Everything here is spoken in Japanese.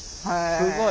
すごい。